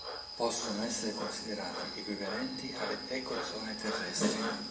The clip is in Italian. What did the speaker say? Possono essere considerati equivalenti alle ecozone terrestri.